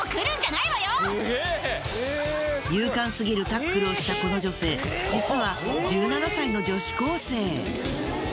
勇敢すぎるタックルをしたこの女性実は１７歳の女子高生。